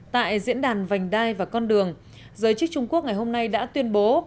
tại diễn đàn vành đai và con đường giới chức trung quốc ngày hôm nay đã tuyên bố